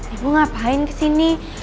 ibu ngapain kesini